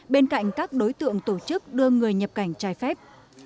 bên cạnh các đối tượng tổ chức đưa người nhập cảnh trái phép